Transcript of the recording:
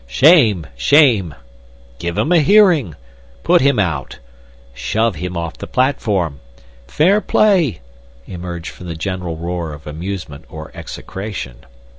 "Shame! Shame!" "Give him a hearing!" "Put him out!" "Shove him off the platform!" "Fair play!" emerged from a general roar of amusement or execration.